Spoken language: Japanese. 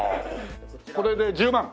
これで１０万。